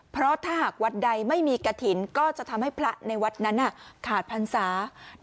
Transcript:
เพราะถ้าหากวัดใดไม่มีกระถิ่นก็จะทำให้พระในวัดนั้นขาดพรรษา